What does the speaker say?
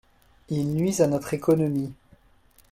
Ils nuisent à notre économie.